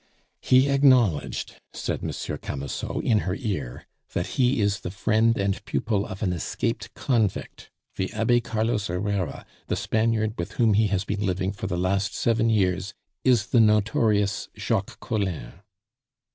"He acknowledged," said Monsieur Camusot in her ear, "that he is the friend and pupil of an escaped convict. The Abbe Carlos Herrera, the Spaniard with whom he has been living for the last seven years, is the notorious Jacques Collin."